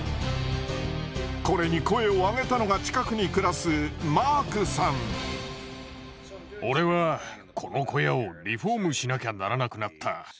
これに声を上げたのが俺はこの小屋をリフォームしなきゃならなくなった。